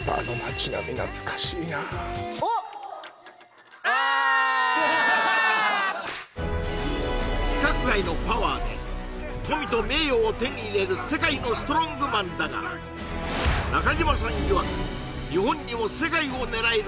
スゴい規格外のパワーで富と名誉を手に入れる世界のストロングマンだが中嶋さんいわく日本にも世界を狙える